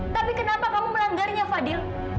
tapi kenapa kamu melanggarnya fadil